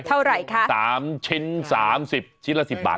เท่าไหร่คะ๓ชิ้น๓๐ชิ้นละ๑๐บาท